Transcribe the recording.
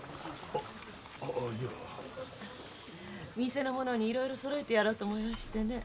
店の者にいろいろそろえてやろうと思いましてね。